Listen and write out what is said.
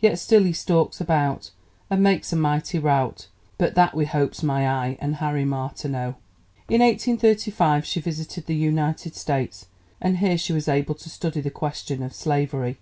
Yet still he stalks about, And makes a mighty rout, But that we hope's my eye and Harry Martineau! In 1835 she visited the United States, and here she was able to study the question of slavery.